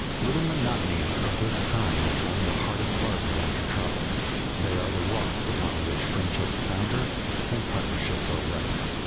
Little monotonies of this kind form the hardest part of winter travel, they are the rocks upon which friendships founder and partnerships are wrecked.